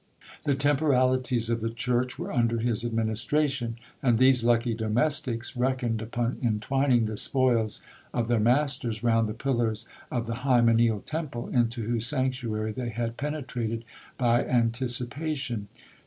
The temporalities of the church were under his administration ; and these lucky domestics reckoned upon entwining the spoils of their masters round the pillars of the hymeneal temple, into whose sanctuary they had penetrated by anticipa tion.